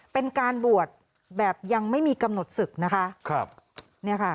เป็นการบวชแบบยังไม่มีกำหนดศึกนะคะครับเนี่ยค่ะ